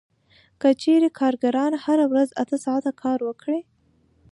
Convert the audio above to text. که چېرې کارګران هره ورځ اته ساعته کار وکړي